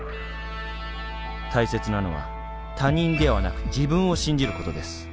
「大切なのは他人ではなく自分を信じることです。